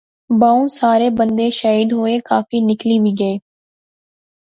بہوں سارے بندے شہید ہوئے، کافی نکلی وی گئے